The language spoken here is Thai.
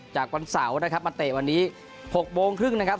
วันเสาร์นะครับมาเตะวันนี้๖โมงครึ่งนะครับ